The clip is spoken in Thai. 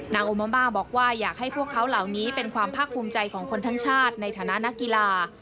โอมาบ้าบอกว่าอยากให้พวกเขาเหล่านี้เป็นความภาคภูมิใจของคนทั้งชาติในฐานะนักกีฬา